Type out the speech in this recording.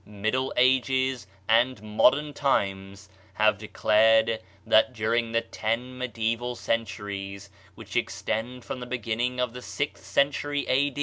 Middle Ages, and modem times, have declared that during the ten Mediaeval centuries, which extend from the beginning of the sixth century A.